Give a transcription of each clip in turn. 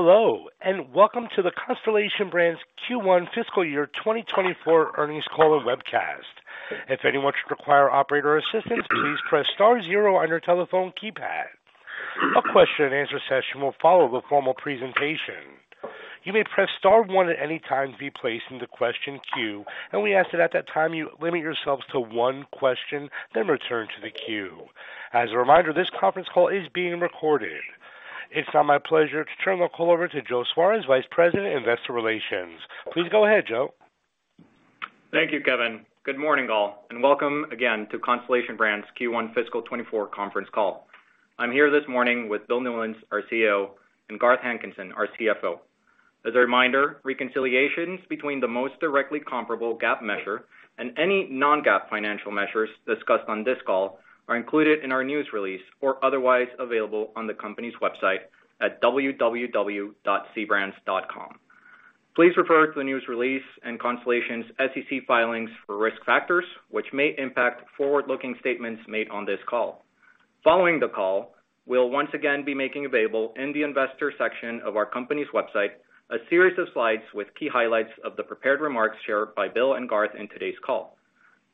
Hello, and welcome to the Constellation Brands Q1 Fiscal Year 2024 earnings call and webcast. If anyone should require operator assistance, please press star zero on your telephone keypad. A question and answer session will follow the formal presentation. You may press star one at any time to be placed in the question queue, and we ask that at that time, you limit yourselves to one question, then return to the queue. As a reminder, this conference call is being recorded. It's now my pleasure to turn the call over to Joseph Suarez, Vice President, Investor Relations. Please go ahead, Joe. Thank you, Kevin. Good morning, all, and welcome again to Constellation Brands Q1 Fiscal 2024 conference call. I'm here this morning with Bill Newlands, our CEO, and Garth Hankinson, our CFO. As a reminder, reconciliations between the most directly comparable GAAP measure and any non-GAAP financial measures discussed on this call are included in our news release or otherwise available on the company's website at www.cbrands.com. Please refer to the news release and Constellation's SEC filings for risk factors, which may impact forward-looking statements made on this call. Following the call, we'll once again be making available in the investor section of our company's website, a series of slides with key highlights of the prepared remarks shared by Bill and Garth in today's call.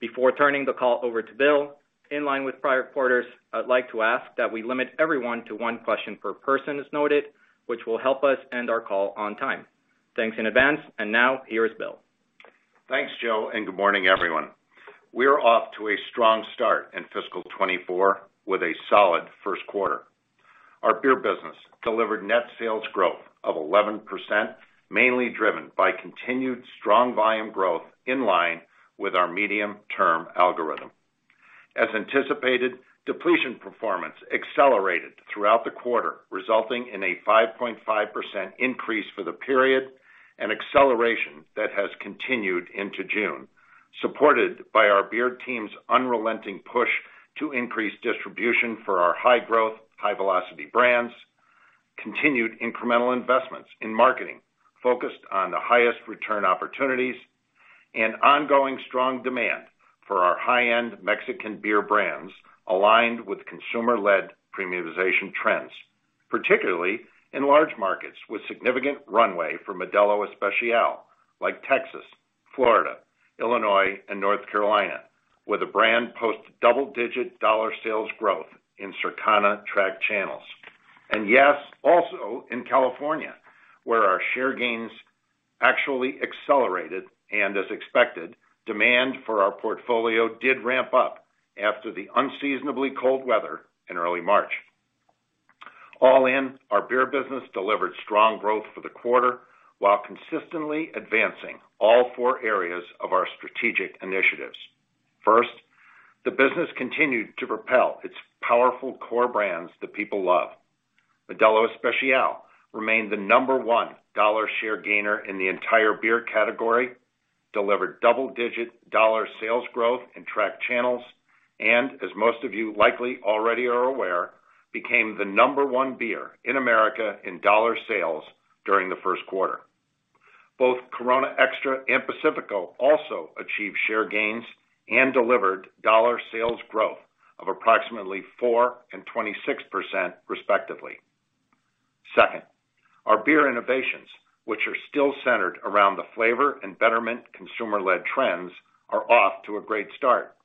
Before turning the call over to Bill, in line with prior quarters, I'd like to ask that we limit everyone to one question per person, as noted, which will help us end our call on time. Thanks in advance. Now here's Bill. Thanks, Joe. Good morning, everyone. We are off to a strong start in fiscal 2024 with a solid Q1. Our beer business delivered net sales growth of 11%, mainly driven by continued strong volume growth in line with our medium-term algorithm. As anticipated, depletion performance accelerated throughout the quarter, resulting in a 5.5% increase for the period and acceleration that has continued into June, supported by our beer team's unrelenting push to increase distribution for our high-growth, high-velocity brands, continued incremental investments in marketing focused on the highest return opportunities, and ongoing strong demand for our high-end Mexican beer brands, aligned with consumer-led premiumization trends, particularly in large markets with significant runway for Modelo Especial, like Texas, Florida, Illinois, and North Carolina, where the brand posts double-digit dollar sales growth in Circana track channels. Yes, also in California, where our share gains actually accelerated, and as expected, demand for our portfolio did ramp up after the unseasonably cold weather in early March. All in, our beer business delivered strong growth for the quarter, while consistently advancing all 4 areas of our strategic initiatives. First, the business continued to propel its powerful core brands that people love. Modelo Especial remained the number one dollar share gainer in the entire beer category, delivered double-digit dollar sales growth in track channels, and as most of you likely already are aware, became the number one beer in America in dollar sales during the Q1. Both Corona Extra and Pacifico also achieved share gains and delivered dollar sales growth of approximately 4% and 26%, respectively. Second, our beer innovations, which are still centered around the flavor and betterment consumer-led trends, are off to a great start.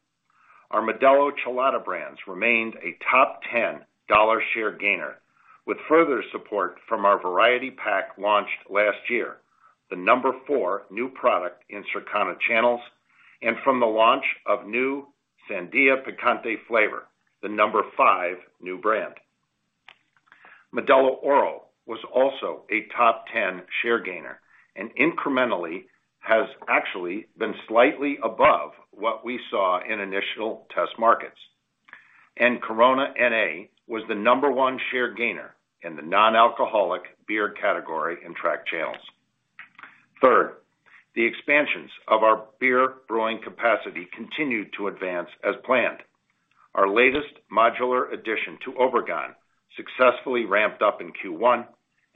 Our Modelo Chelada brands remained a top 10 dollar share gainer, with further support from our variety pack launched last year, the number four new product in Circana channels, and from the launch of new Sandía Picante flavor, the number five new brand. Modelo Oro was also a top 10 share gainer and incrementally has actually been slightly above what we saw in initial test markets. Corona NA was the number 1 share gainer in the non-alcoholic beer category in track channels. Third, the expansions of our beer brewing capacity continued to advance as planned. Our latest modular addition to Obregón successfully ramped up in Q1,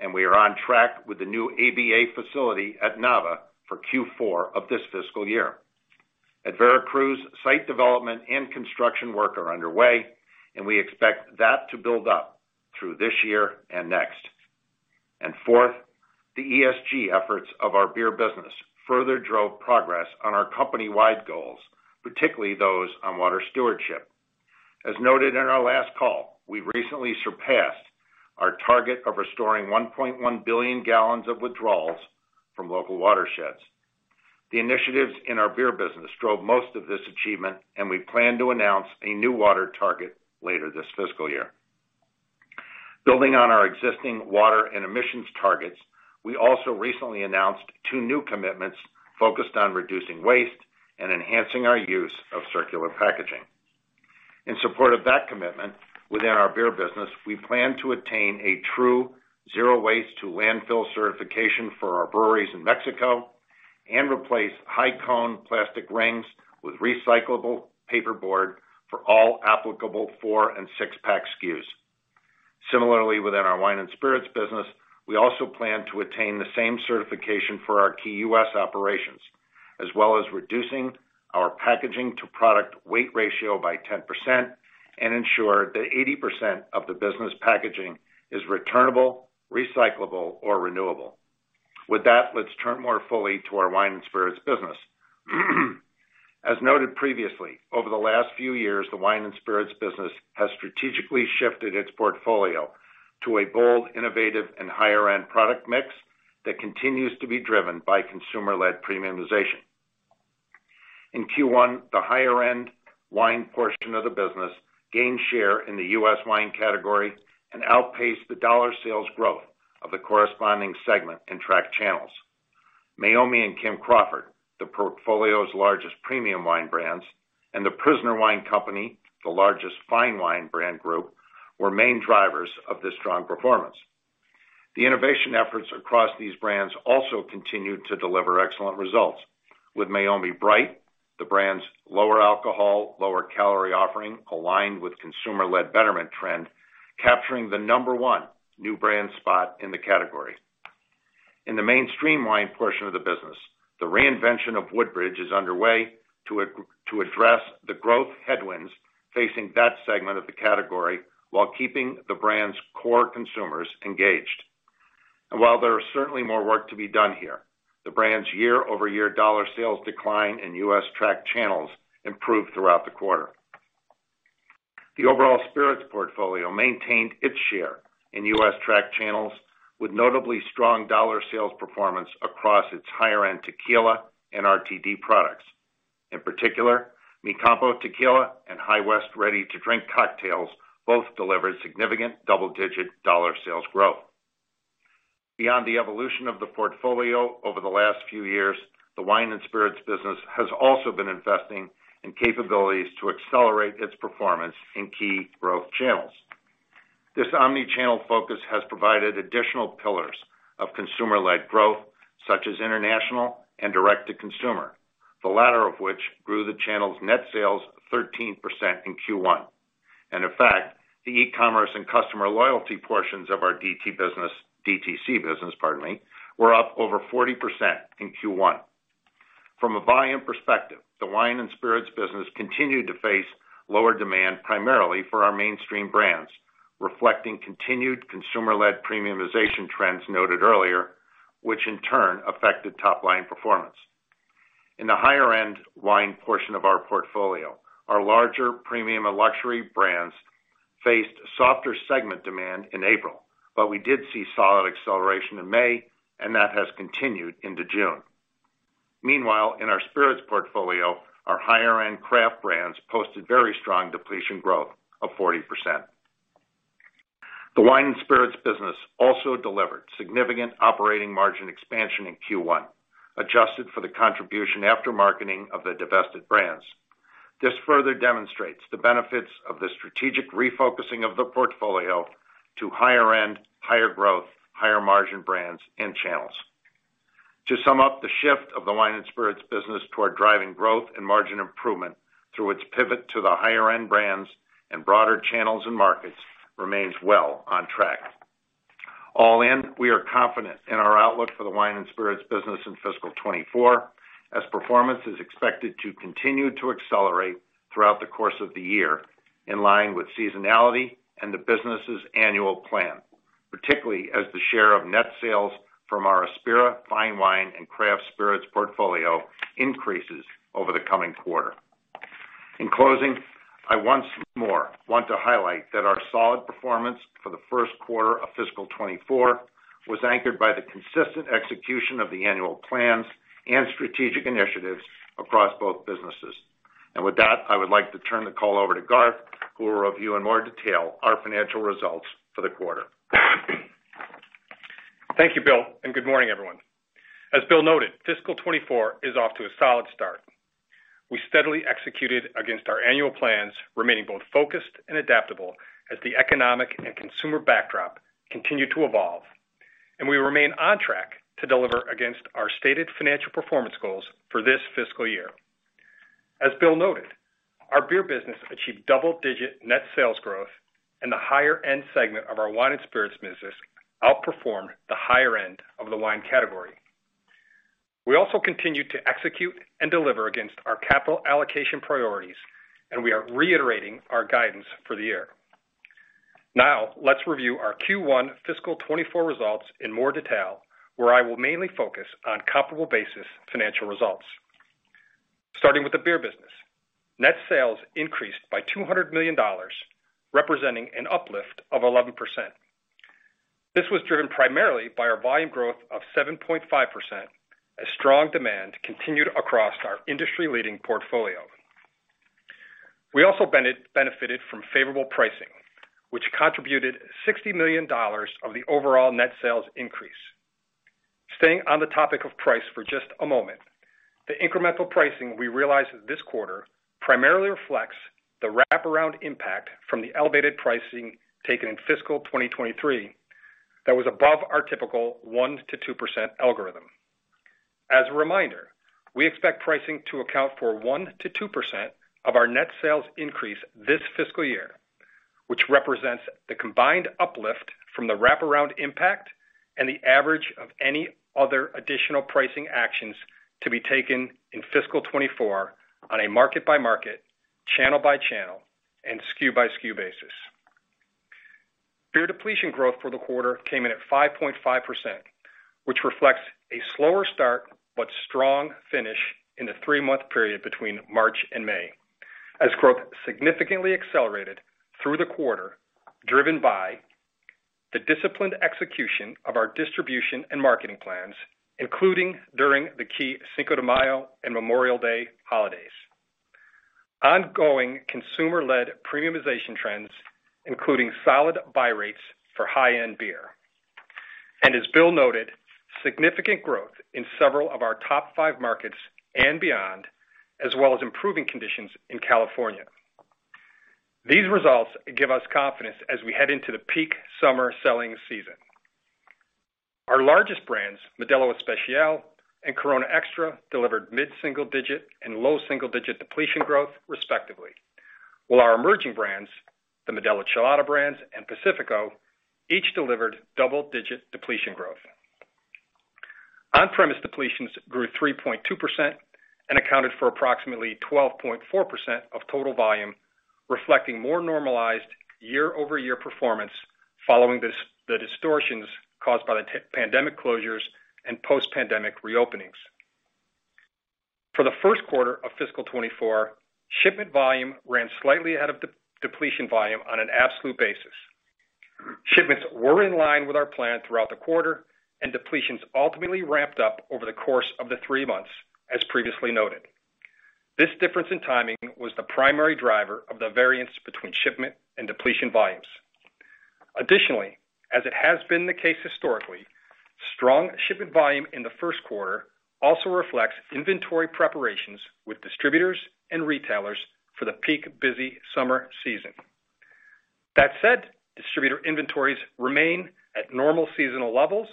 and we are on track with the new ABA facility at Nava for Q4 of this fiscal year. At Veracruz, site development and construction work are underway, and we expect that to build up through this year and next. Fourth, the ESG efforts of our beer business further drove progress on our company-wide goals, particularly those on water stewardship. As noted in our last call, we recently surpassed our target of restoring 1.1 billion gallons of withdrawals from local watersheds. The initiatives in our beer business drove most of this achievement, and we plan to announce a new water target later this fiscal year. Building on our existing water and emissions targets, we also recently announced two new commitments focused on reducing waste and enhancing our use of circular packaging. In support of that commitment, within our beer business, we plan to attain a true zero waste to landfill certification for our breweries in Mexico and replace Hi-Cone plastic rings with recyclable paperboard for all applicable four and six-pack SKUs. Similarly, within our wine and spirits business, we also plan to attain the same certification for our key U.S. operations as well as reducing our packaging to product weight ratio by 10% and ensure that 80% of the business packaging is returnable, recyclable, or renewable. With that, let's turn more fully to our wine and spirits business. As noted previously, over the last few years, the wine and spirits business has strategically shifted its portfolio to a bold, innovative, and higher-end product mix that continues to be driven by consumer-led premiumization. In Q1, the higher-end wine portion of the business gained share in the U.S. wine category and outpaced the dollar sales growth of the corresponding segment in tracked channels. Meiomi and Kim Crawford, the portfolio's largest premium wine brands, and The Prisoner Wine Company, the largest fine wine brand group, were main drivers of this strong performance. The innovation efforts across these brands also continued to deliver excellent results, with Meiomi Bright, the brand's lower alcohol, lower calorie offering, aligned with consumer-led betterment trend, capturing the number 1 new brand spot in the category. In the mainstream wine portion of the business, the reinvention of Woodbridge is underway to address the growth headwinds facing that segment of the category, while keeping the brand's core consumers engaged. While there is certainly more work to be done here, the brand's year-over-year dollar sales decline in U.S. tracked channels improved throughout the quarter. The overall spirits portfolio maintained its share in U.S. tracked channels, with notably strong dollar sales performance across its higher-end tequila and RTD products. In particular, Mi CAMPO Tequila and High West Ready to Drink cocktails both delivered significant double-digit dollar sales growth. Beyond the evolution of the portfolio over the last few years, the wine and spirits business has also been investing in capabilities to accelerate its performance in key growth channels. This omni-channel focus has provided additional pillars of consumer-led growth, such as international and direct-to-consumer, the latter of which grew the channel's net sales 13% in Q1. In fact, the e-commerce and customer loyalty portions of our DTC business, pardon me, were up over 40% in Q1. From a volume perspective, the wine and spirits business continued to face lower demand, primarily for our mainstream brands, reflecting continued consumer-led premiumization trends noted earlier, which in turn affected top-line performance. In the higher-end wine portion of our portfolio, our larger premium and luxury brands faced softer segment demand in April, but we did see solid acceleration in May, and that has continued into June. In our spirits portfolio, our higher-end craft brands posted very strong depletion growth of 40%. The wine and spirits business also delivered significant operating margin expansion in Q1, adjusted for the contribution after marketing of the divested brands. This further demonstrates the benefits of the strategic refocusing of the portfolio to higher end, higher growth, higher margin brands and channels. To sum up, the shift of the wine and spirits business toward driving growth and margin improvement through its pivot to the higher-end brands and broader channels and markets remains well on track. All in, we are confident in our outlook for the wine and spirits business in fiscal 2024, as performance is expected to continue to accelerate throughout the course of the year, in line with seasonality and the business's annual plan, particularly as the share of net sales from our Aspira fine wine and craft spirits portfolio increases over the coming quarter. In closing, I once more want to highlight that our solid performance for the Q1 of fiscal 2024 was anchored by the consistent execution of the annual plans and strategic initiatives across both businesses. With that, I would like to turn the call over to Garth, who will review in more detail our financial results for the quarter. Thank you, Bill. Good morning, everyone. As Bill noted, fiscal 2024 is off to a solid start. We steadily executed against our annual plans, remaining both focused and adaptable as the economic and consumer backdrop continued to evolve, and we remain on track to deliver against our stated financial performance goals for this fiscal year. As Bill noted, our beer business achieved double-digit net sales growth, and the higher-end segment of our wine and spirits business outperformed the higher end of the wine category. We also continued to execute and deliver against our capital allocation priorities, and we are reiterating our guidance for the year. Let's review our Q1 fiscal 2024 results in more detail, where I will mainly focus on comparable basis financial results. Starting with the beer business. Net sales increased by $200 million, representing an uplift of 11%. This was driven primarily by our volume growth of 7.5%, as strong demand continued across our industry-leading portfolio. We also benefited from favorable pricing, which contributed $60 million of the overall net sales increase. Staying on the topic of price for just a moment, the incremental pricing we realized this quarter primarily reflects the wraparound impact from the elevated pricing taken in fiscal 2023 that was above our typical 1%-2% algorithm. As a reminder, we expect pricing to account for 1%-2% of our net sales increase this fiscal year, which represents the combined uplift from the wraparound impact and the average of any other additional pricing actions to be taken in fiscal 2024 on a market-by-market, channel-by-channel, and SKU-by-SKU basis. Beer depletion growth for the quarter came in at 5.5%, which reflects a slower start, but strong finish in the three-month period between March and May, as growth significantly accelerated through the quarter, driven by the disciplined execution of our distribution and marketing plans, including during the key Cinco de Mayo and Memorial Day holidays. Ongoing consumer-led premiumization trends, including solid buy rates for high-end beer, and as Bill noted, significant growth in several of our top 5 markets and beyond, as well as improving conditions in California. These results give us confidence as we head into the peak summer selling season. Our largest brands, Modelo Especial and Corona Extra, delivered mid-single digit and low single-digit depletion growth, respectively, while our emerging brands, the Modelo Chelada brands and Pacifico, each delivered double-digit depletion growth. On-premise depletions grew 3.2% and accounted for approximately 12.4% of total volume, reflecting more normalized year-over-year performance following the distortions caused by the pandemic closures and post-pandemic reopenings. For the Q1 of fiscal 2024, shipment volume ran slightly ahead of depletion volume on an absolute basis. Shipments were in line with our plan throughout the quarter. Depletions ultimately ramped up over the course of the three months, as previously noted. This difference in timing was the primary driver of the variance between shipment and depletion volumes. As it has been the case historically, strong shipment volume in the Q1 also reflects inventory preparations with distributors and retailers for the peak busy summer season. That said, distributor inventories remain at normal seasonal levels,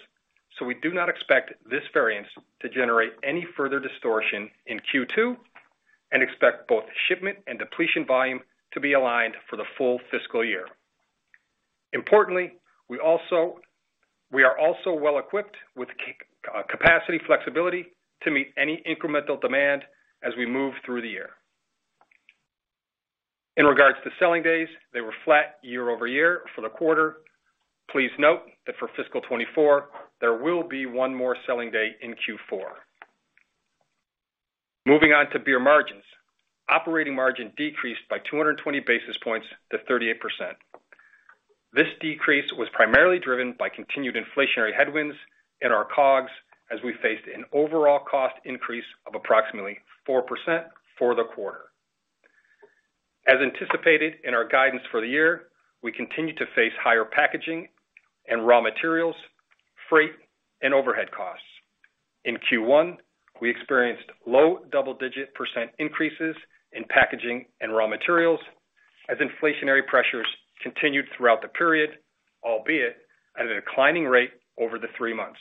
so we do not expect this variance to generate any further distortion in Q2, and expect both shipment and depletion volume to be aligned for the full fiscal year. Importantly, we are also well equipped with capacity flexibility to meet any incremental demand as we move through the year. In regards to selling days, they were flat year-over-year for the quarter. Please note that for fiscal 2024, there will be one more selling day in Q4. Moving on to beer margins. Operating margin decreased by 220 basis points to 38%. This decrease was primarily driven by continued inflationary headwinds in our COGS, as we faced an overall cost increase of approximately 4% for the quarter. As anticipated in our guidance for the year, we continue to face higher packaging and raw materials, freight, and overhead costs. In Q1, we experienced low double-digit % increases in packaging and raw materials as inflationary pressures continued throughout the period, albeit at a declining rate over the three months.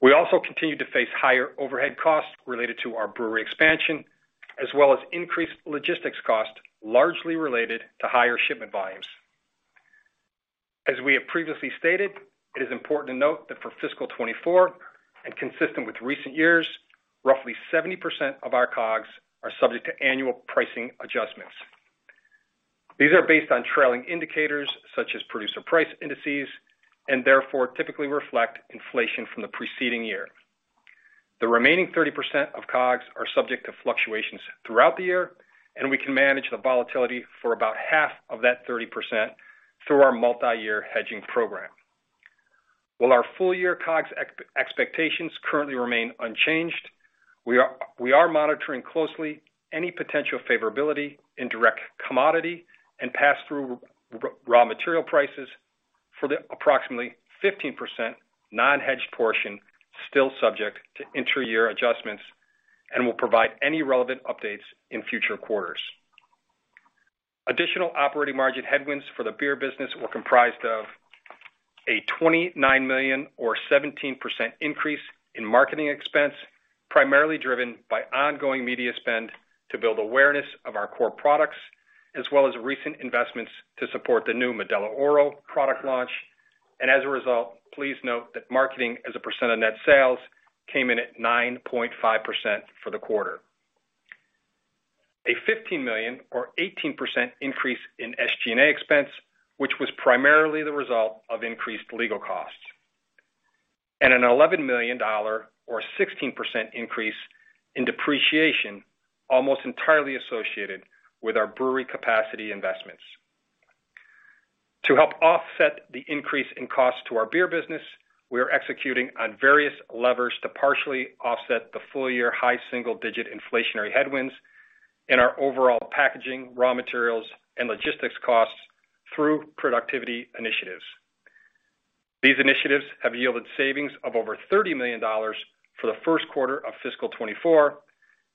We also continued to face higher overhead costs related to our brewery expansion, as well as increased logistics costs, largely related to higher shipment volumes. As we have previously stated, it is important to note that for fiscal 2024, and consistent with recent years, roughly 70% of our COGS are subject to annual pricing adjustments. These are based on trailing indicators such as producer price indices, and therefore typically reflect inflation from the preceding year. The remaining 30% of COGS are subject to fluctuations throughout the year, and we can manage the volatility for about half of that 30% through our multi-year hedging program. While our full-year COGS expectations currently remain unchanged, we are monitoring closely any potential favorability in direct commodity and pass-through raw material prices for the approximately 15% non-hedged portion, still subject to inter-year adjustments, and will provide any relevant updates in future quarters. Additional operating margin headwinds for the beer business were comprised of a $29 million or 17% increase in marketing expense, primarily driven by ongoing media spend to build awareness of our core products, as well as recent investments to support the new Modelo Oro product launch. As a result, please note that marketing as a % of net sales came in at 9.5% for the quarter. A $15 million or 18% increase in SG&A expense, which was primarily the result of increased legal costs, and an $11 million or 16% increase in depreciation, almost entirely associated with our brewery capacity investments. To help offset the increase in cost to our beer business, we are executing on various levers to partially offset the full-year high single-digit inflationary headwinds in our overall packaging, raw materials, and logistics costs through productivity initiatives. These initiatives have yielded savings of over $30 million for the Q1 of fiscal 2024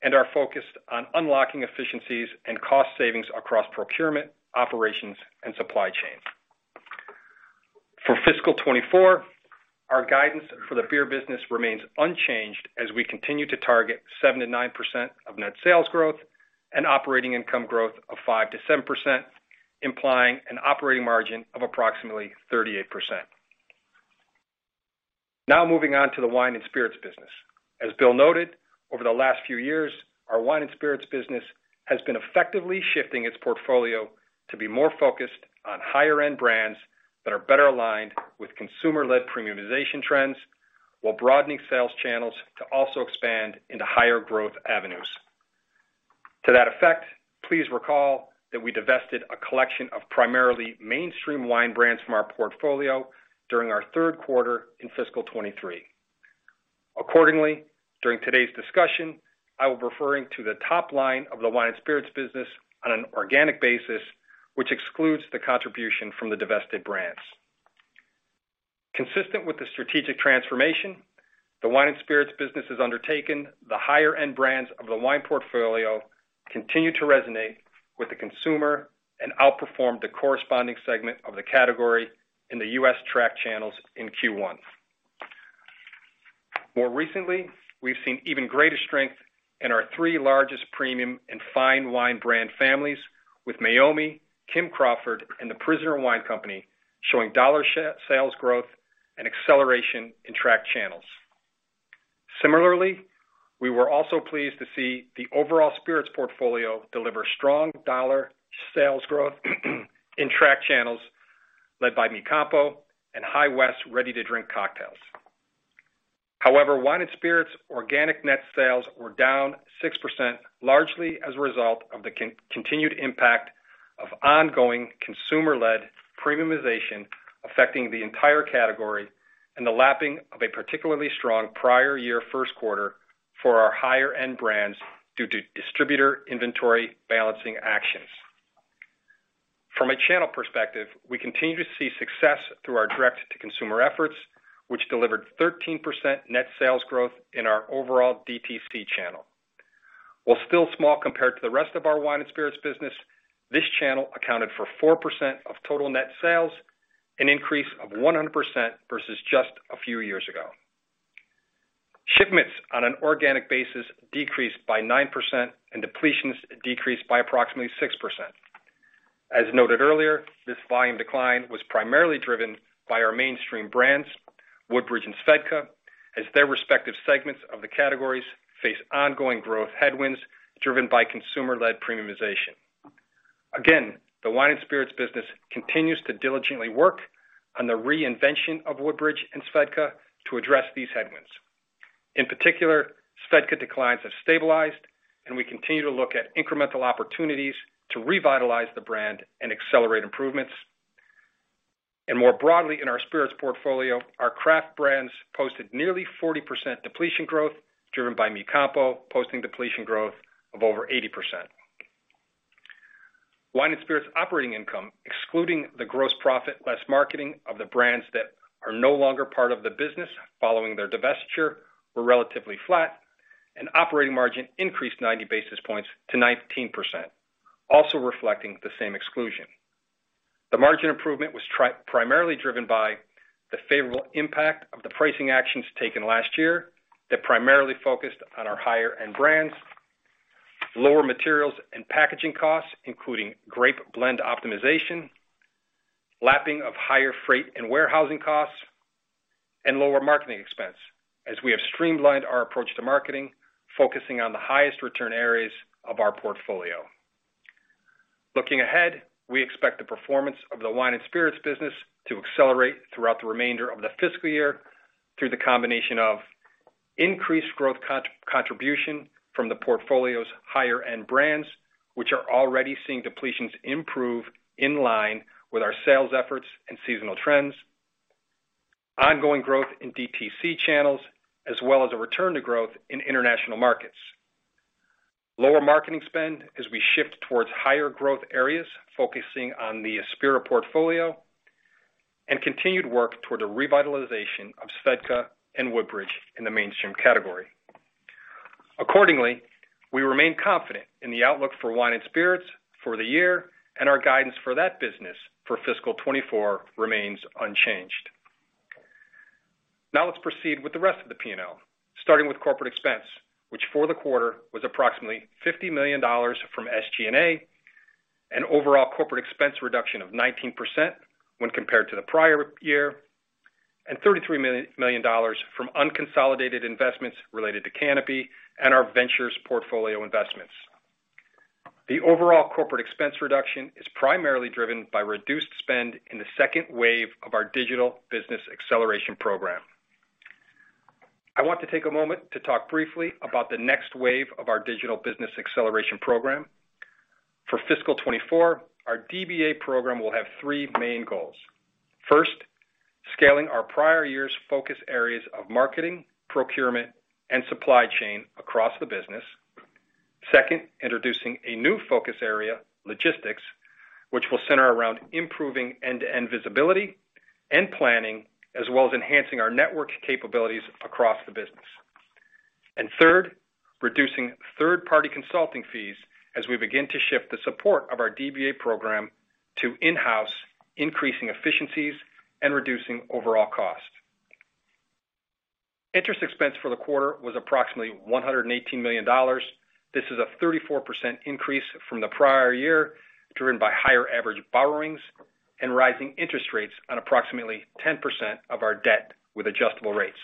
and are focused on unlocking efficiencies and cost savings across procurement, operations, and supply chain. For fiscal 2024, our guidance for the beer business remains unchanged as we continue to target 7%-9% of net sales growth and operating income growth of 5%-7%, implying an operating margin of approximately 38%. Now, moving on to the wine and spirits business. As Bill noted, over the last few years, our wine and spirits business has been effectively shifting its portfolio to be more focused on higher-end brands that are better aligned with consumer-led premiumization trends, while broadening sales channels to also expand into higher growth avenues. To that effect, please recall that we divested a collection of primarily mainstream wine brands from our portfolio during our Q3 in fiscal 23. Accordingly, during today's discussion, I will be referring to the top line of the wine and spirits business on an organic basis, which excludes the contribution from the divested brands. Consistent with the strategic transformation, the wine and spirits business has undertaken, the higher-end brands of the wine portfolio continue to resonate with the consumer and outperform the corresponding segment of the category in the U.S. track channels in Q1. More recently, we've seen even greater strength in our three largest premium and fine wine brand families, with Meiomi, Kim Crawford, and The Prisoner Wine Company, showing dollar sales growth and acceleration in track channels. Similarly, we were also pleased to see the overall spirits portfolio deliver strong dollar sales growth in track channels led by Mi CAMPO and High West RTD cocktails. However, wine and spirits organic net sales were down 6%, largely as a result of the continued impact of ongoing consumer-led premiumization affecting the entire category, and the lapping of a particularly strong prior year Q1 for our higher-end brands due to distributor inventory balancing actions. From a channel perspective, we continue to see success through our direct-to-consumer efforts, which delivered 13% net sales growth in our overall DTC channel. While still small compared to the rest of our wine and spirits business, this channel accounted for 4% of total net sales, an increase of 100% versus just a few years ago. Shipments on an organic basis decreased by 9%, and depletions decreased by approximately 6%. As noted earlier, this volume decline was primarily driven by our mainstream brands, Woodbridge and SVEDKA, as their respective segments of the categories face ongoing growth headwinds, driven by consumer-led premiumization. The wine and spirits business continues to diligently work on the reinvention of Woodbridge and SVEDKA to address these headwinds. In particular, SVEDKA declines have stabilized, and we continue to look at incremental opportunities to revitalize the brand and accelerate improvements. More broadly, in our spirits portfolio, our craft brands posted nearly 40% depletion growth, driven by Mi CAMPO, posting depletion growth of over 80%. Wine and spirits operating income, excluding the gross profit, less marketing of the brands that are no longer part of the business following their divestiture, were relatively flat. Operating margin increased 90 basis points to 19%, also reflecting the same exclusion. The margin improvement was primarily driven by the favorable impact of the pricing actions taken last year, that primarily focused on our higher-end brands, lower materials and packaging costs, including grape blend optimization, lapping of higher freight and warehousing costs, and lower marketing expense, as we have streamlined our approach to marketing, focusing on the highest return areas of our portfolio. Looking ahead, we expect the performance of the wine and spirits business to accelerate throughout the remainder of the fiscal year through the combination of increased growth contribution from the portfolio's higher-end brands, which are already seeing depletions improve in line with our sales efforts and seasonal trends, ongoing growth in DTC channels, as well as a return to growth in international markets, lower marketing spend as we shift towards higher growth areas, focusing on the Aspira portfolio, and continued work toward a revitalization of SVEDKA and Woodbridge in the mainstream category. Accordingly, we remain confident in the outlook for wine and spirits for the year, and our guidance for that business for fiscal 2024 remains unchanged. Let's proceed with the rest of the P&L, starting with corporate expense, which for the quarter was approximately $50 million from SG&A, an overall corporate expense reduction of 19% when compared to the prior year, $33 million from unconsolidated investments related to Canopy and our ventures portfolio investments. The overall corporate expense reduction is primarily driven by reduced spend in the second wave of our digital business acceleration program. I want to take a moment to talk briefly about the next wave of our digital business acceleration program. For fiscal 2024, our DBA program will have three main goals. First, scaling our prior year's focus areas of marketing, procurement, and supply chain across the business. Second, introducing a new focus area, logistics, which will center around improving end-to-end visibility and planning, as well as enhancing our network capabilities across the business. Third, reducing third-party consulting fees as we begin to shift the support of our DBA program to in-house, increasing efficiencies and reducing overall costs. Interest expense for the quarter was approximately $118 million. This is a 34% increase from the prior year, driven by higher average borrowings and rising interest rates on approximately 10% of our debt with adjustable rates.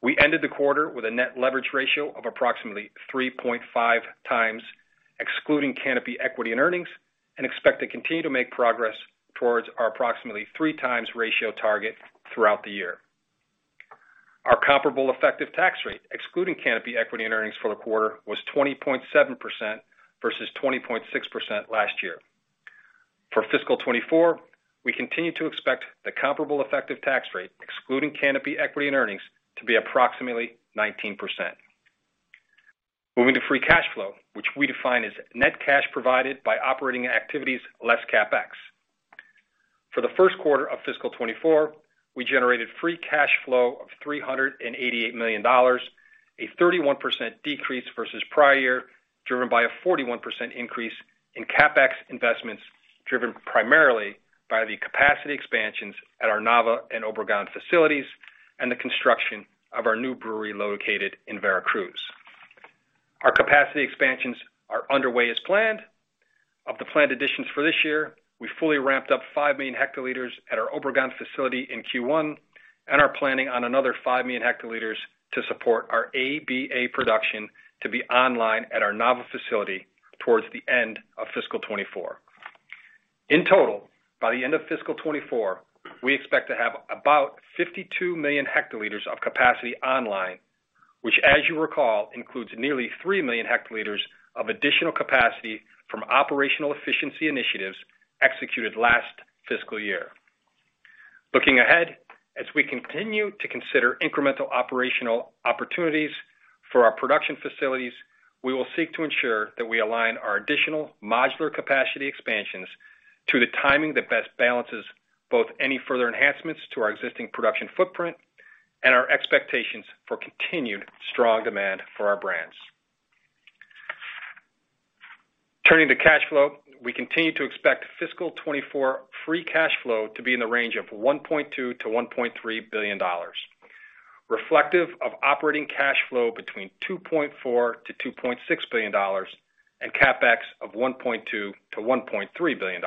We ended the quarter with a net leverage ratio of approximately 3.5 times, excluding Canopy equity and earnings, and expect to continue to make progress towards our approximately 3 times ratio target throughout the year. Our comparable effective tax rate, excluding Canopy equity and earnings for the quarter, was 20.7% versus 20.6% last year. For fiscal 2024, we continue to expect the comparable effective tax rate, excluding Canopy equity and earnings, to be approximately 19%. Moving to free cash flow, which we define as net cash provided by operating activities, less CapEx. For the Q1 of fiscal 2024, we generated free cash flow of $388 million, a 31% decrease versus prior year, driven by a 41% increase in CapEx investments, driven primarily by the capacity expansions at our Nava and Obregon facilities and the construction of our new brewery located in Veracruz. Our capacity expansions are underway as planned. Of the planned additions for this year, we fully ramped up 5 million hectoliters at our Obregon facility in Q1 and are planning on another 5 million hectoliters to support our ABA production to be online at our Nava facility towards the end of fiscal 2024. In total, by the end of fiscal 2024, we expect to have about 52 million hectoliters of capacity online, which, as you recall, includes nearly 3 million hectoliters of additional capacity from operational efficiency initiatives executed last fiscal year. Looking ahead, as we continue to consider incremental operational opportunities for our production facilities, we will seek to ensure that we align our additional modular capacity expansions to the timing that best balances both any further enhancements to our existing production footprint and our expectations for continued strong demand for our brands. Turning to cash flow, we continue to expect fiscal 2024 free cash flow to be in the range of $1.2 billion-$1.3 billion, reflective of operating cash flow between $2.4 billion-$2.6 billion and CapEx of $1.2 billion-$1.3 billion.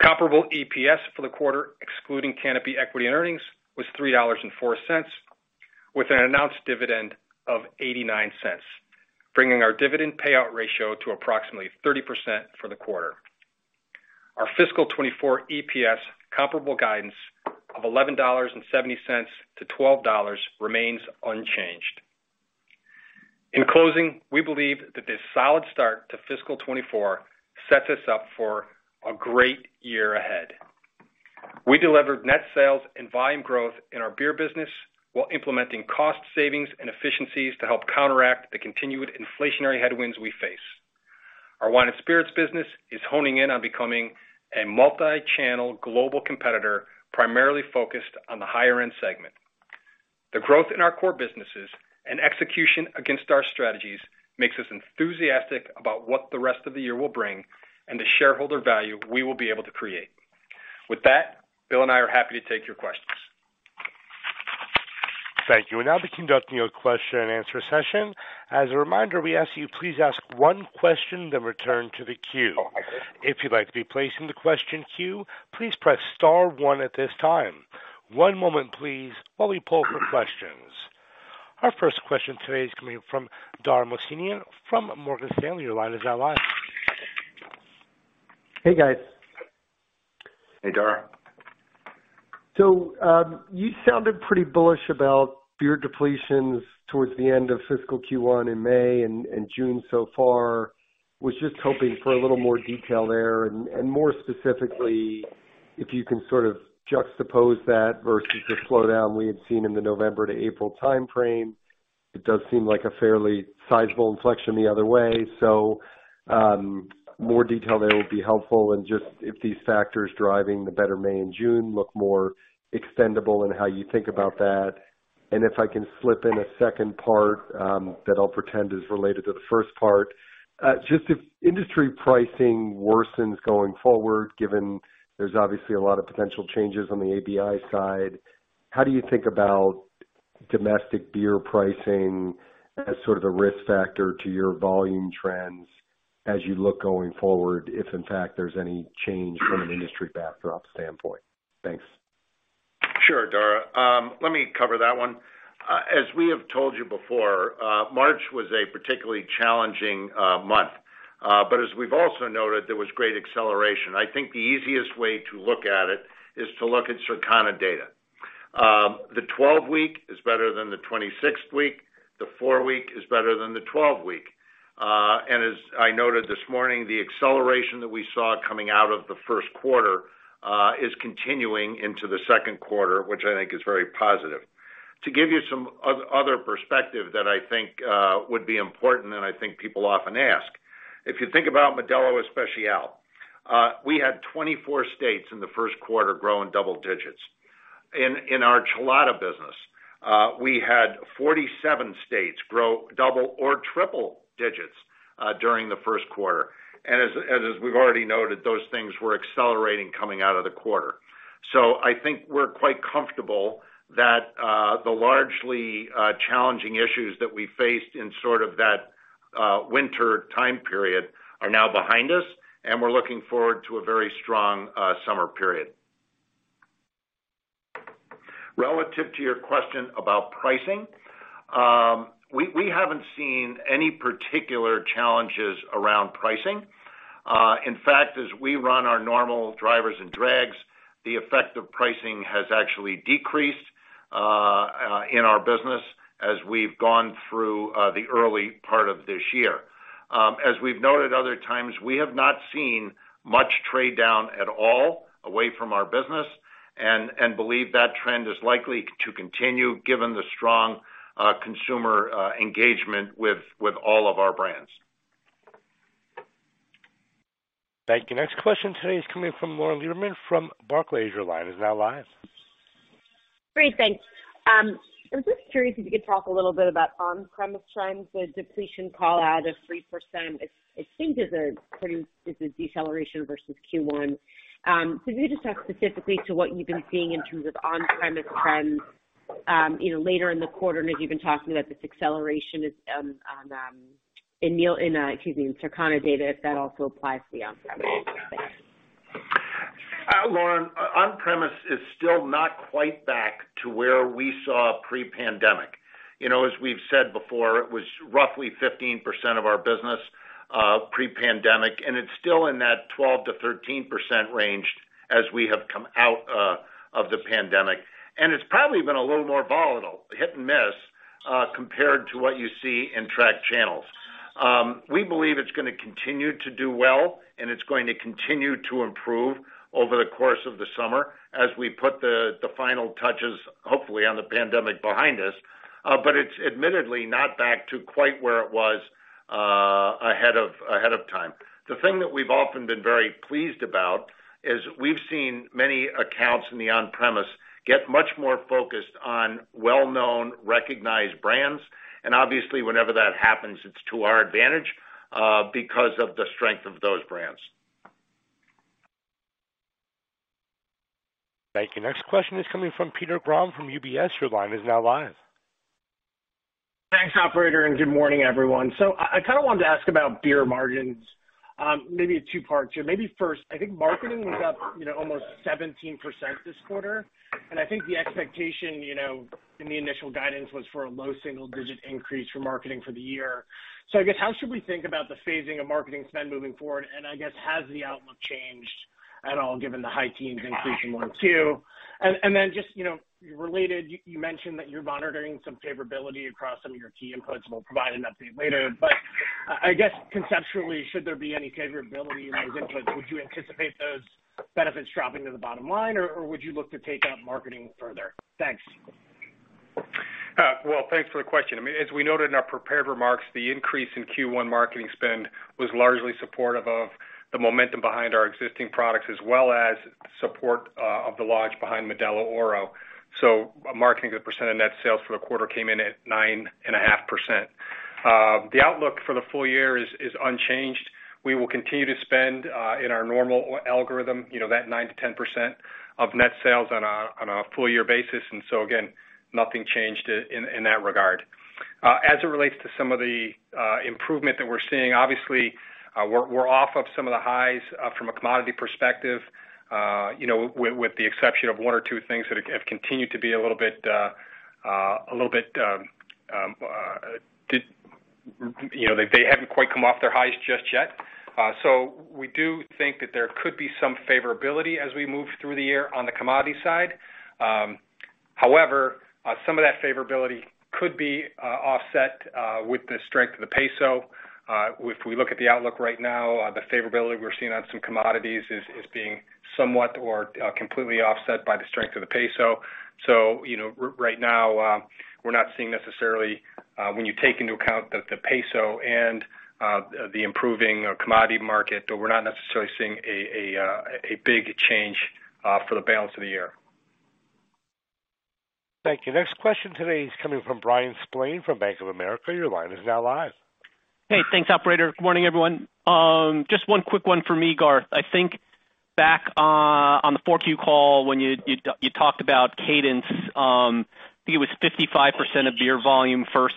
Comparable EPS for the quarter, excluding Canopy equity and earnings, was $3.04, with an announced dividend of $0.89, bringing our dividend payout ratio to approximately 30% for the quarter. Our fiscal 2024 EPS comparable guidance of $11.70-$12.00 remains unchanged. In closing, we believe that this solid start to fiscal 2024 sets us up for a great year ahead. We delivered net sales and volume growth in our beer business while implementing cost savings and efficiencies to help counteract the continued inflationary headwinds we face. Our wine and spirits business is honing in on becoming a multi-channel global competitor, primarily focused on the higher-end segment. The growth in our core businesses and execution against our strategies makes us enthusiastic about what the rest of the year will bring and the shareholder value we will be able to create. With that, Bill and I are happy to take your questions. Thank you. We'll now be conducting a question-and-answer session. As a reminder, we ask you please ask one question, then return to the queue. If you'd like to be placed in the question queue, please press star one at this time. One moment, please, while we pull for questions. Our first question today is coming from Dara Mohsenian from Morgan Stanley. Your line is now live. Hey, guys. Hey, Dara. You sounded pretty bullish about beer depletions towards the end of fiscal Q1 in May and June so far. Was just hoping for a little more detail there, and more specifically, if you can sort of juxtapose that versus the slowdown we had seen in the November to April time frame. It does seem like a fairly sizable inflection the other way. More detail there would be helpful. Just if these factors driving the better May and June look more extendable and how you think about that. If I can slip in a second part, that I'll pretend is related to the first part. Just if industry pricing worsens going forward, given there's obviously a lot of potential changes on the ABI side, how do you think about domestic beer pricing as sort of a risk factor to your volume trends as you look going forward, if in fact, there's any change from an industry backdrop standpoint? Thanks. Sure, Dara. let me cover that one. As we have told you before, March was a particularly challenging month. As we've also noted, there was great acceleration. I think the easiest way to look at it is to look at Circana data. The 12-week is better than the 26th week, the 4-week is better than the 12-week. As I noted this morning, the acceleration that we saw coming out of the Q1 is continuing into the second quarter, which I think is very positive. To give you some other perspective that I think would be important and I think people often ask, if you think about Modelo Especial.... We had 24 states in the Q1 grow in double digits. In our chelada business, we had 47 states grow double or triple digits during the Q1. As we've already noted, those things were accelerating coming out of the quarter. I think we're quite comfortable that the largely challenging issues that we faced in sort of that winter time period are now behind us, and we're looking forward to a very strong summer period. Relative to your question about pricing, we haven't seen any particular challenges around pricing. In fact, as we run our normal drivers and drags, the effect of pricing has actually decreased in our business as we've gone through the early part of this year. As we've noted other times, we have not seen much trade down at all away from our business, and believe that trend is likely to continue given the strong consumer engagement with all of our brands. Thank you. Next question today is coming from Lauren Lieberman from Barclays. Your line is now live. Great, thanks. I was just curious if you could talk a little bit about on-premise trends, the depletion call out of 3%, it seems as a deceleration versus Q1? Can you just talk specifically to what you've been seeing in terms of on-premise trends, you know, later in the quarter, and if you've been talking about this acceleration is on in, excuse me, Circana data, if that also applies to the on-premise space? Lauren, on-premise is still not quite back to where we saw pre-pandemic. You know, as we've said before, it was roughly 15% of our business pre-pandemic, and it's still in that 12%-13% range as we have come out of the pandemic. It's probably been a little more volatile, hit and miss, compared to what you see in track channels. We believe it's gonna continue to do well, and it's going to continue to improve over the course of the summer as we put the final touches, hopefully, on the pandemic behind us. It's admittedly not back to quite where it was ahead of time. The thing that we've often been very pleased about is we've seen many accounts in the on-premise get much more focused on well-known, recognized brands, and obviously, whenever that happens, it's to our advantage, because of the strength of those brands. Thank you. Next question is coming from Peter Grom from UBS. Your line is now live. Thanks, operator. Good morning, everyone. I kind of wanted to ask about beer margins. Maybe it's two parts. Maybe first, I think marketing was up, you know, almost 17% this quarter. I think the expectation, you know, in the initial guidance was for a low single-digit increase for marketing for the year. I guess, how should we think about the phasing of marketing spend moving forward? I guess, has the outlook changed at all, given the high teens increase in Q2? Then just, you know, related, you mentioned that you're monitoring some favorability across some of your key inputs, we'll provide an update later. I guess conceptually, should there be any favorability in those inputs, would you anticipate those benefits dropping to the bottom line, or would you look to take up marketing further? Thanks. Well, thanks for the question. I mean, as we noted in our prepared remarks, the increase in Q1 marketing spend was largely supportive of the momentum behind our existing products, as well as support of the launch behind Modelo Oro. Marketing as a percent of net sales for the quarter came in at 9.5%. The outlook for the full year is unchanged. We will continue to spend in our normal algorithm, you know, that 9%-10% of net sales on a full year basis, again, nothing changed in that regard. As it relates to some of the improvement that we're seeing, obviously, we're off of some of the highs from a commodity perspective, you know, with the exception of one or two things that have continued to be a little bit, you know, they haven't quite come off their highs just yet. We do think that there could be some favorability as we move through the year on the commodity side. However, some of that favorability could be offset with the strength of the peso. If we look at the outlook right now, the favorability we're seeing on some commodities is being somewhat or completely offset by the strength of the peso. you know, right now, we're not seeing necessarily, when you take into account the peso and the improving commodity market, we're not necessarily seeing a big change for the balance of the year. Thank you. Next question today is coming from Bryan Spillane from Bank of America. Your line is now live. Hey, thanks, operator. Good morning, everyone. Just one quick one for me, Garth. I think back on the 4Q call when you talked about cadence, I think it was 55% of beer volume H1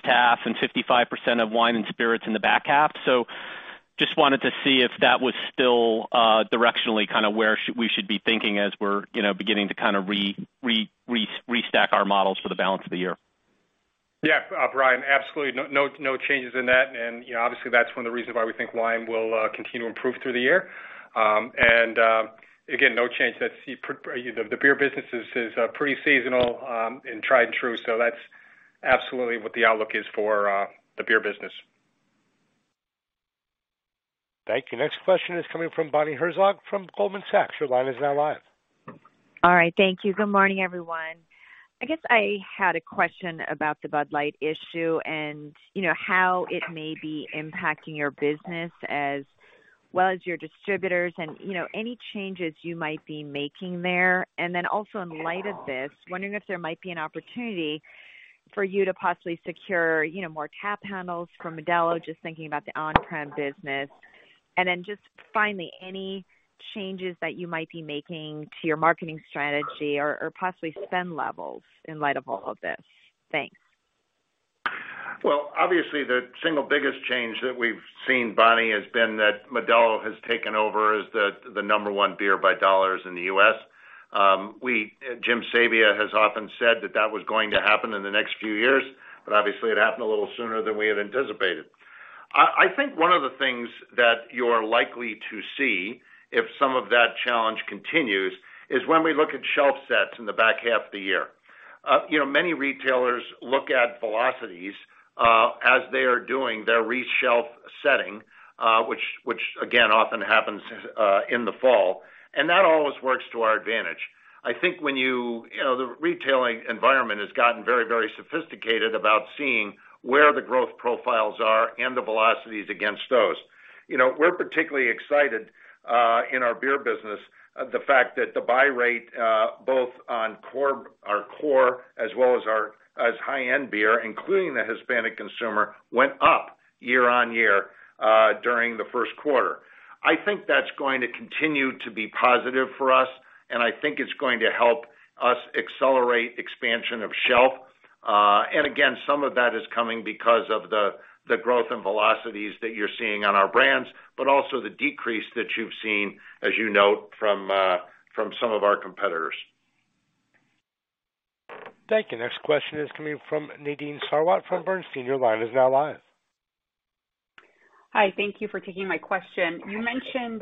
and 55% of wine and spirits in the back half. Just wanted to see if that was still directionally kind of where we should be thinking as we're, you know, beginning to kind of restack our models for the balance of the year. Yeah, Bryan, absolutely, no changes in that. You know, obviously, that's one of the reasons why we think wine will continue to improve through the year. Again, no change. That's the beer business is pretty seasonal and tried and true, so that's absolutely what the outlook is for the beer business. Thank you. Next question is coming from Bonnie Herzog, from Goldman Sachs. Your line is now live. All right, thank you. Good morning, everyone. I guess I had a question about the Bud Light issue, and you know, how it may be impacting your business as well as your distributors, and, you know, any changes you might be making there. Also in light of this, wondering if there might be an opportunity for you to possibly secure, you know, more tap handles from Modelo, just thinking about the on-prem business. Just finally, any changes that you might be making to your marketing strategy or possibly spend levels in light of all of this? Thanks. Obviously, the single biggest change that we've seen, Bonnie, has been that Modelo has taken over as the number 1 beer by dollars in the U.S. Jim Sabia has often said that that was going to happen in the next few years, but obviously it happened a little sooner than we had anticipated. I think one of the things that you're likely to see, if some of that challenge continues, is when we look at shelf sets in the back half of the year. You know, many retailers look at velocities as they are doing their reshelf setting, which again, often happens in the fall, and that always works to our advantage. I think you know, the retailing environment has gotten very sophisticated about seeing where the growth profiles are and the velocities against those. You know, we're particularly excited in our beer business, the fact that the buy rate, both on core, our core, as well as our high-end beer, including the Hispanic consumer, went up year-over-year during the Q1. I think that's going to continue to be positive for us, and I think it's going to help us accelerate expansion of shelf. Again, some of that is coming because of the growth and velocities that you're seeing on our brands, but also the decrease that you've seen, as you note, from some of our competitors. Thank you. Next question is coming from Nadine Sarwat from Bernstein. Your line is now live. Hi, thank you for taking my question. You mentioned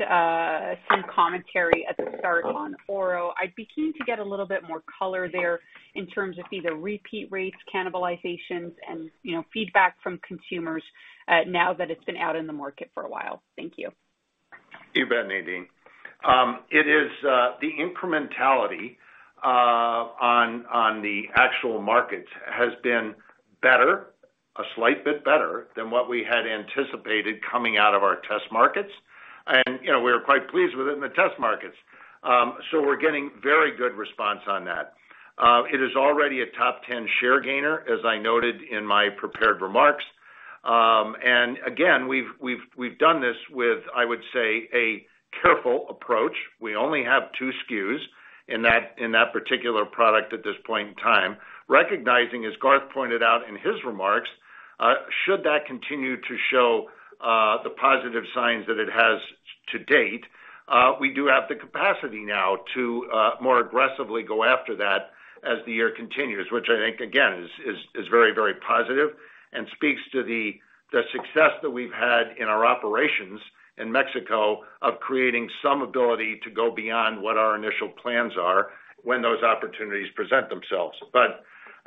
some commentary at the start on Oro. I'd be keen to get a little bit more color there in terms of either repeat rates, cannibalizations, and, you know, feedback from consumers now that it's been out in the market for a while. Thank you. You bet, Nadine. It is the incrementality on the actual market has been better, a slight bit better than what we had anticipated coming out of our test markets. You know, we were quite pleased with it in the test markets. We're getting very good response on that. It is already a top 10 share gainer, as I noted in my prepared remarks. Again, we've done this with, I would say, a careful approach. We only have two SKUs in that particular product at this point in time. Recognizing, as Garth pointed out in his remarks, should that continue to show the positive signs that it has to date, we do have the capacity now to more aggressively go after that as the year continues, which I think, again, is very, very positive and speaks to the success that we've had in our operations in Mexico, of creating some ability to go beyond what our initial plans are when those opportunities present themselves.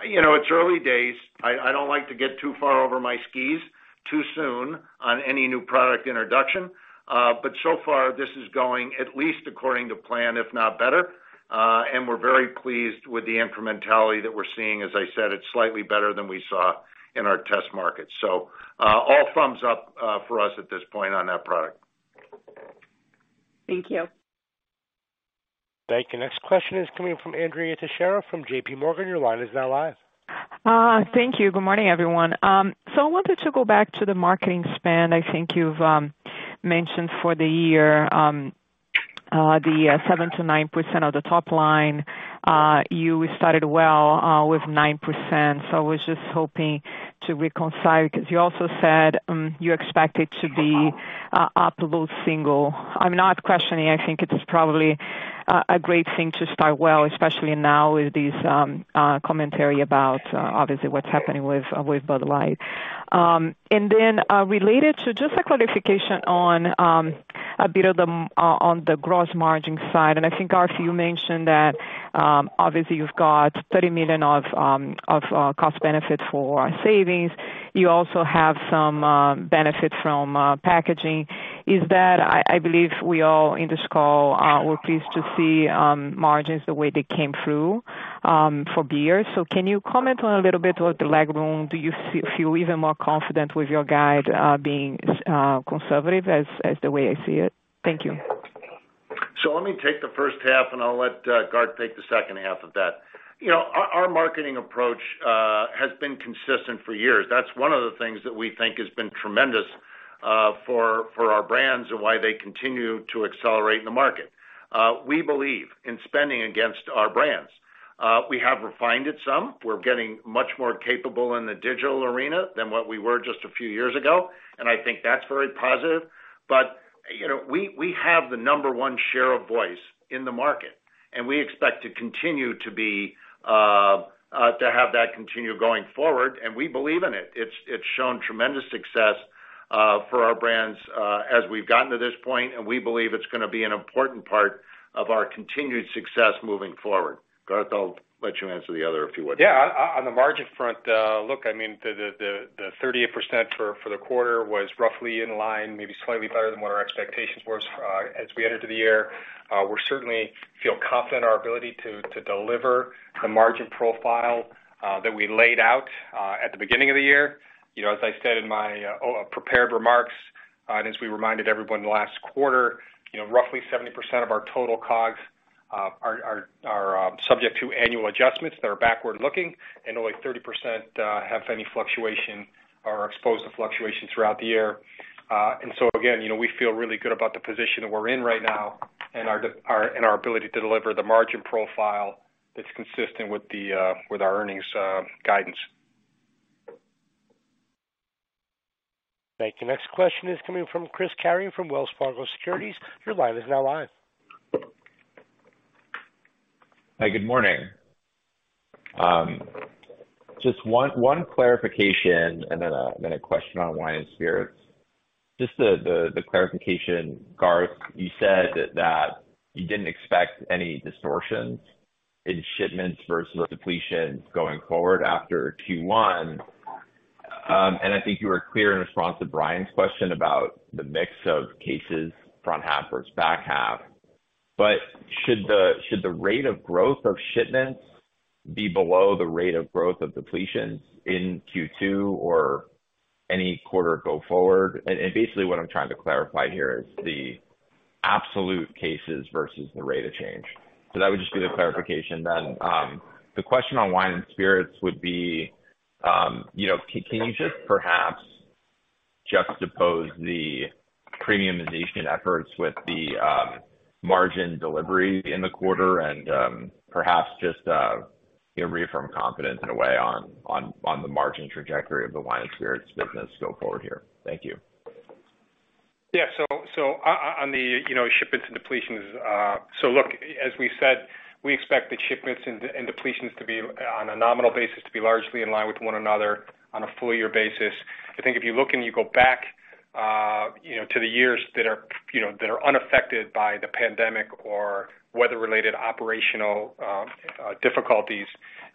You know, it's early days. I don't like to get too far over my skis too soon on any new product introduction, but so far this is going at least according to plan, if not better. We're very pleased with the incrementality that we're seeing. As I said, it's slightly better than we saw in our test market. All thumbs up for us at this point on that product. Thank you. Thank you. Next question is coming from Andrea Teixeira from JP Morgan. Your line is now live. Thank you. Good morning, everyone. I wanted to go back to the marketing spend. I think you've mentioned for the year, the 7%-9% of the top line. You started well, with 9%, I was just hoping to reconcile, because you also said, you expect it to be up low single. I'm not questioning, I think it is probably a great thing to start well, especially now with this commentary about obviously what's happening with Bud Light. Related to just a clarification on a bit of the on the gross margin side, I think, Garth, you mentioned that obviously you've got $30 million of cost benefit for savings. You also have some benefit from packaging. I believe we all in this call, we're pleased to see margins the way they came through for beer. Can you comment on a little bit about the leg room? Do you feel even more confident with your guide being conservative, as the way I see it? Thank you. Let me take the H1, and I'll let Garth take the H2 of that. You know, our marketing approach has been consistent for years. That's one of the things that we think has been tremendous for our brands and why they continue to accelerate in the market. We believe in spending against our brands. We have refined it some. We're getting much more capable in the digital arena than what we were just a few years ago, and I think that's very positive. You know, we have the number one share of voice in the market, and we expect to continue to be to have that continue going forward, and we believe in it. It's shown tremendous success for our brands as we've gotten to this point, and we believe it's gonna be an important part of our continued success moving forward. Garth, I'll let you answer the other, if you would. Yeah, on the margin front, look, I mean, the 38% for the quarter was roughly in line, maybe slightly better than what our expectations was as we entered the year. We're certainly feel confident in our ability to deliver the margin profile that we laid out at the beginning of the year. You know, as I said in my prepared remarks, and as we reminded everyone last quarter, you know, roughly 70% of our total COGS are subject to annual adjustments that are backward looking, and only 30% have any fluctuation or are exposed to fluctuation throughout the year. Again, you know, we feel really good about the position that we're in right now and our ability to deliver the margin profile that's consistent with the with our earnings guidance. Thank you. Next question is coming from Chris Carey from Wells Fargo Securities. Your line is now live. Hi, good morning. Just one clarification, and then a question on wine and spirits. Just the clarification, Garth, you said that you didn't expect any distortions in shipments versus depletions going forward after Q1. I think you were clear in response to Bryan's question about the mix of cases, front half versus back half. Should the rate of growth of shipments be below the rate of growth of depletions in Q2 or any quarter go forward? Basically what I'm trying to clarify here is the absolute cases versus the rate of change. That would just be the clarification then. The question on wine and spirits would be, you know, can you just perhaps juxtapose the premiumization efforts with the margin delivery in the quarter? Perhaps just, you know, reaffirm confidence in a way on, on the margin trajectory of the wine and spirits business go forward here. Thank you. On the, you know, shipments and depletions, look, as we said, we expect the shipments and depletions to be, on a nominal basis, to be largely in line with one another on a full year basis. I think if you look and you go back, you know, to the years that are, you know, that are unaffected by the pandemic or weather-related operational difficulties,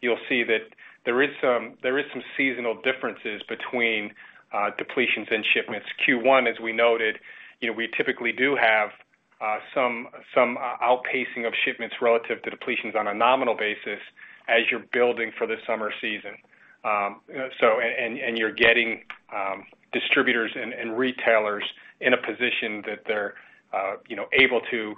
you'll see that there is some seasonal differences between depletions and shipments. Q1, as we noted, you know, we typically do have some outpacing of shipments relative to depletions on a nominal basis as you're building for the summer season. You're getting distributors and retailers in a position that they're, you know, able to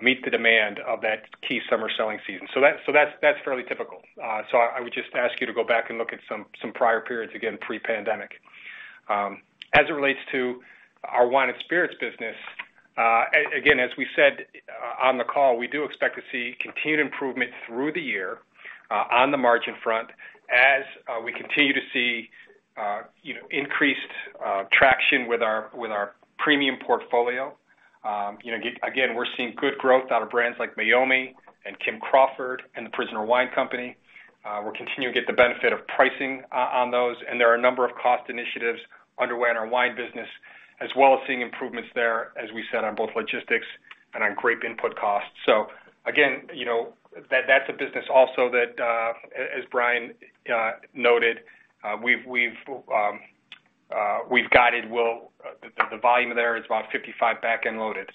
meet the demand of that key summer selling season. That's fairly typical. I would just ask you to go back and look at some prior periods, again, pre-pandemic. As it relates to our wine and spirits business, again, as we said on the call, we do expect to see continued improvement through the year on the margin front, as we continue to see, you know, increased traction with our premium portfolio. You know, again, we're seeing good growth out of brands like Meiomi and Kim Crawford and The Prisoner Wine Company. We'll continue to get the benefit of pricing on those, and there are a number of cost initiatives underway in our wine business, as well as seeing improvements there, as we said, on both logistics and on grape input costs. Again, you know, that's a business also that as Bryan noted, we've guided well. The volume there is about 55 back and loaded.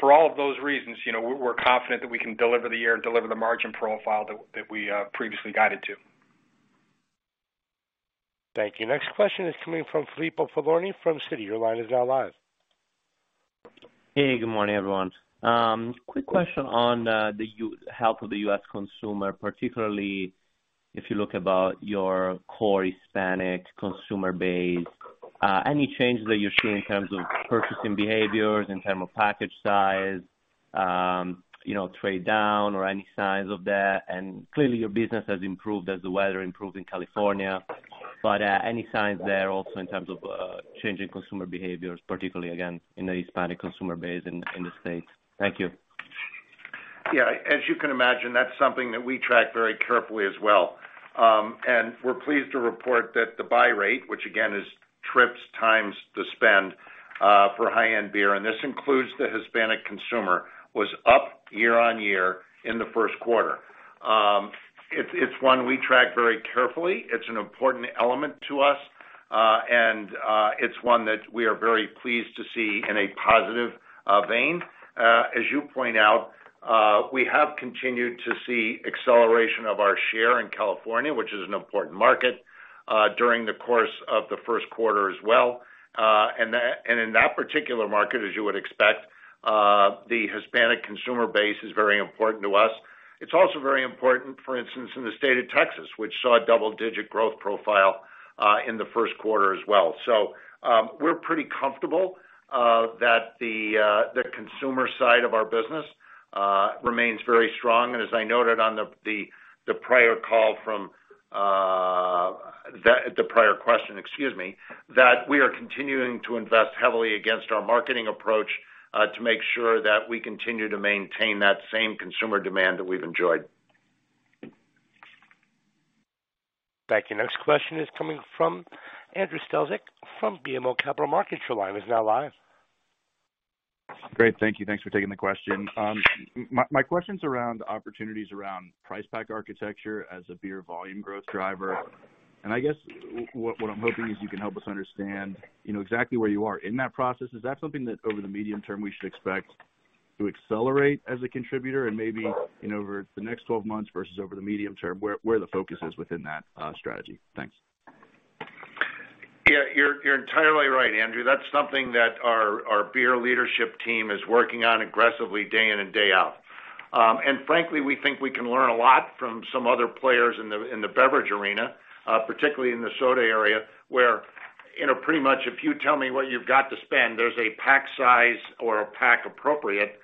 For all of those reasons, you know, we're confident that we can deliver the year and deliver the margin profile that we previously guided to. Thank you. Next question is coming from Filippo Falorni from Citi. Your line is now live. Hey, good morning, everyone. Quick question on the health of the U.S. consumer, particularly if you look about your core Hispanic consumer base. Any changes that you're seeing in terms of purchasing behaviors, in term of package size, you know, trade down or any signs of that? Clearly, your business has improved as the weather improved in California, but any signs there also in terms of changing consumer behaviors, particularly again, in the Hispanic consumer base in the States? Thank you. Yeah, as you can imagine, that's something that we track very carefully as well. And we're pleased to report that the buy rate, which again, is trips times the spend, for high-end beer, and this includes the Hispanic consumer, was up year-on-year in the Q1. It's one we track very carefully. It's an important element to us, and it's one that we are very pleased to see in a positive vein. As you point out, we have continued to see acceleration of our share in California, which is an important market during the course of the Q1 as well. And in that particular market, as you would expect, the Hispanic consumer base is very important to us. It's also very important, for instance, in the state of Texas, which saw a double-digit growth profile in the Q1 as well. We're pretty comfortable that the consumer side of our business remains very strong. As I noted on the prior call from, the prior question, excuse me, that we are continuing to invest heavily against our marketing approach, to make sure that we continue to maintain that same consumer demand that we've enjoyed. Thank you. Next question is coming from Andrew Strelzik from BMO Capital Markets. Your line is now live. Great, thank you. Thanks for taking the question. My question's around opportunities around price pack architecture as a beer volume growth driver. I guess what I'm hoping is you can help us understand, you know, exactly where you are in that process. Is that something that over the medium term, we should expect to accelerate as a contributor and maybe, you know, over the next 12 months versus over the medium term, where the focus is within that strategy? Thanks. Yeah, you're entirely right, Andrew. That's something that our beer leadership team is working on aggressively day in and day out. Frankly, we think we can learn a lot from some other players in the beverage arena, particularly in the soda area, where, you know, pretty much if you tell me what you've got to spend, there's a pack size or a pack appropriate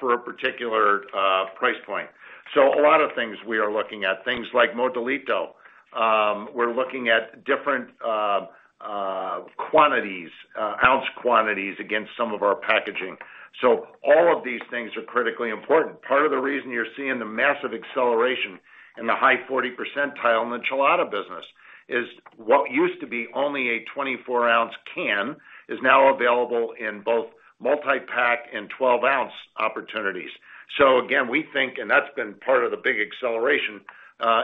for a particular price point. A lot of things we are looking at, things like Modelito. We're looking at different quantities, ounce quantities against some of our packaging. All of these things are critically important. Part of the reason you're seeing the massive acceleration in the high 40 percentile in the chelada business, is what used to be only a 24 ounce can, is now available in both multi-pack and 12 ounce opportunities. Again, we think... And that's been part of the big acceleration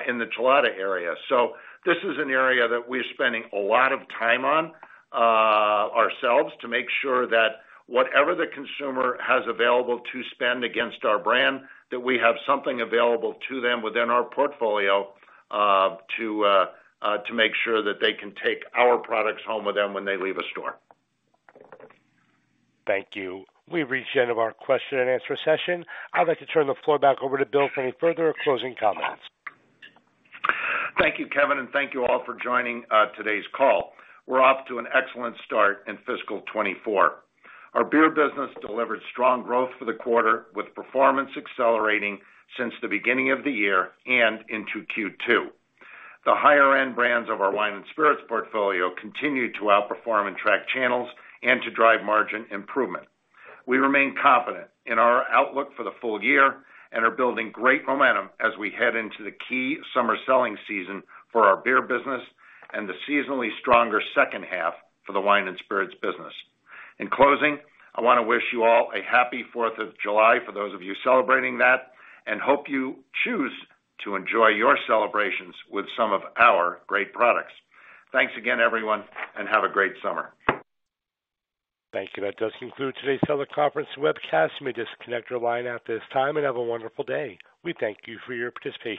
in the modelo area. This is an area that we're spending a lot of time on ourselves, to make sure that whatever the consume22626-Komen, Romana-4r has available to spend against our brand, that we have something available to them within our portfolio to make sure that they can take our products home with them when they leave a store. Thank you. We've reached the end of our question and answer session. I'd like to turn the floor back over to Bill for any further closing comments. Thank you, Kevin, and thank you all for joining today's call. We're off to an excellent start in fiscal 24. Our beer business delivered strong growth for the quarter, with performance accelerating since the beginning of the year and into Q2. The higher end brands of our wine and spirits portfolio continued to outperform in track channels and to drive margin improvement. We remain confident in our outlook for the full year and are building great momentum as we head into the key summer selling season for our beer business, and the seasonally stronger H2 for the wine and spirits business. In closing, I wanna wish you all a happy Fourth of July, for those of you celebrating that, and hope you choose to enjoy your celebrations with some of our great products. Thanks again, everyone, and have a great summer. Thank you. That does conclude today's teleconference webcast. You may disconnect your line at this time and have a wonderful day. We thank you for your participation.